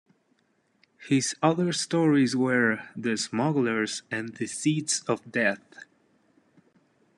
His other stories were "The Smugglers" and "The Seeds of Death".